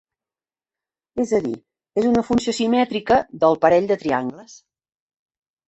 És a dir, és una funció simètrica del parell de triangles.